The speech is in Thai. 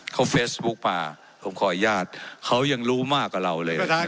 เขาเฟซบุ๊กมาผมขออนุญาตเขายังรู้มากกว่าเราเลย